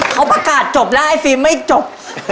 เขาประกาศจบแล้วไอฟิล์มไม่จบ